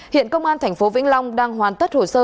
hiện công an tp vĩnh long đang hoàn tất hồ sơ